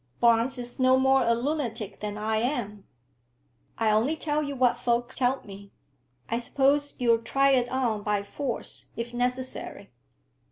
"Barnes is no more a lunatic than I am." "I only tell you what folk tell me. I suppose you'll try it on by force, if necessary.